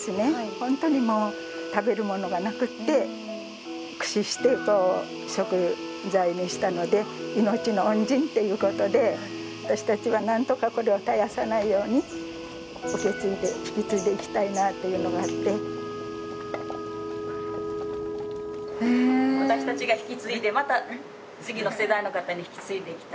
ホントにもう食べるものがなくって駆使して食材にしたので命の恩人っていうことで私達は何とかこれを絶やさないように受け継いで引き継いでいきたいなっていうのがあって私達が引き継いでまた次の世代の方に引き継いでいきたい